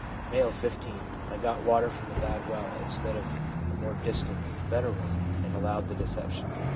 M., 15. ' I got water from a bad well, instead of a more distant, better one, and allowed the deception.